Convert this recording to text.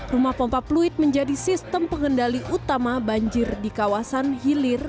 rumah pompa fluid menjadi sistem pengendali utama banjir di kawasan hilir